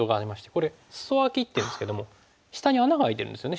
これスソアキっていいますけども下に穴が開いてるんですよね